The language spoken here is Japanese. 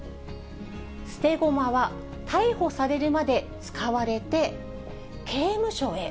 捨て駒は逮捕されるまで使われて刑務所へ。